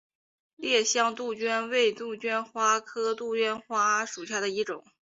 烈香杜鹃为杜鹃花科杜鹃花属下的一个种。